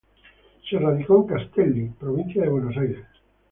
Se radicó en Castelli, provincia de Buenos Aires.